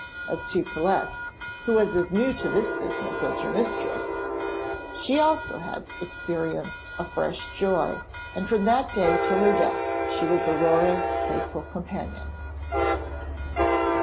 As to Colette, who was as new to the business as her mistress, she also had experienced a fresh joy, and from that day till her death she was Aurore's faithful companion.